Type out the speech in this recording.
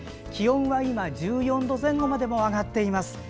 気温は今、１４度前後まで上がっています。